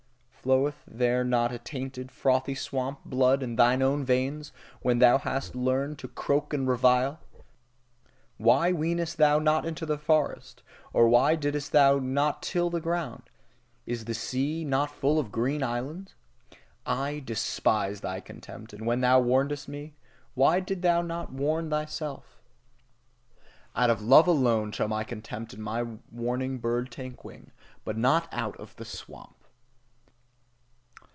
Floweth there not a tainted, frothy, swamp blood in thine own veins, when thou hast thus learned to croak and revile? Why wentest thou not into the forest? Or why didst thou not till the ground? Is the sea not full of green islands? I despise thy contempt; and when thou warnedst me why didst thou not warn thyself? Out of love alone shall my contempt and my warning bird take wing; but not out of the swamp!